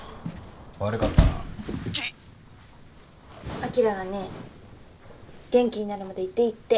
アキラがね元気になるまでいていいって。